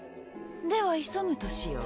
では急ぐとしよう。